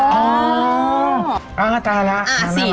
อ่าอ๋าแล้ะน่ามากขึ้นไหม